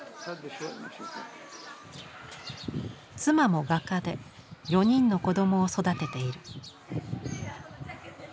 妻も画家で４人の子供を育てている。